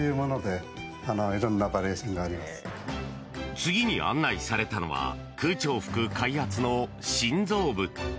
次に案内されたのは空調服開発の心臓部。